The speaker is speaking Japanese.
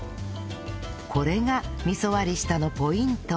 これが味噌割り下のポイント